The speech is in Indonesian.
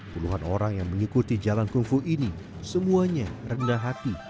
puluhan orang yang mengikuti jalan kungfu ini semuanya rendah hati